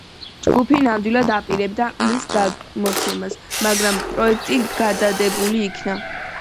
ჯგუფი ნამდვილად აპირებდა მის გამოცემას, მაგრამ პროექტი გადადებული იქნა.